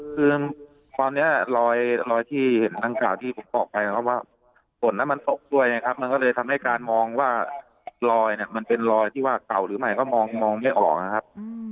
คือตอนนี้รอยที่เห็นดังกล่าวที่ผมบอกไปนะครับว่าฝนนั้นมันตกด้วยนะครับมันก็เลยทำให้การมองว่ารอยเนี่ยมันเป็นรอยที่ว่าเก่าหรือไม่ก็มองไม่ออกนะครับ